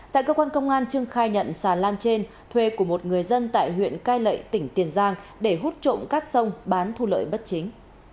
tại cơ quan công an trương khai nhận xà lan trên thuê của một người dân tại huyện cai lệ tỉnh tiền giang để hút trộm cát sông bán thu lợi bất chính